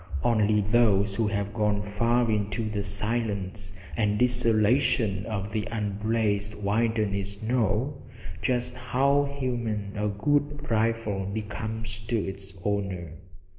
Only those who have gone far into the silence and desolation of the unblazed wilderness know just how human a good rifle becomes to its owner.